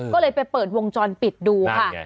ก็เลยไปเปิดวงจรปิดดูค่ะ